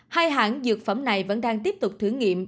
hai hãng dược phẩm này vẫn đang tiếp tục thử nghiệm